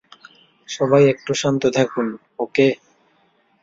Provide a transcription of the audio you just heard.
সবাই একটু শান্ত থাকুন, ওকে?